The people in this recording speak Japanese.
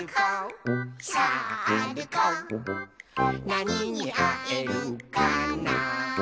「なににあえるかな」